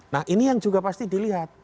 nah ini yang juga pasti dilihat